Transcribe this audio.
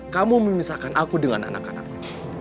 kamu memisahkan aku dengan anak anakku